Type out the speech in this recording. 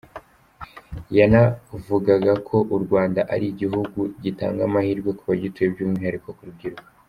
Yanavugaga ko u Rwanda ari igihugu gitanga amahirwe ku bagituye by’umwihariko ku rubyiruko.